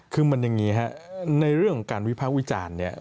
คือมันอย่างนี้ในเรื่องการวิพาควิจารณ์